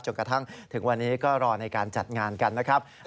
กระทั่งถึงวันนี้ก็รอในการจัดงานกันนะครับ